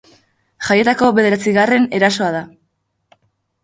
Jaietako bederatzigarren erasoa da.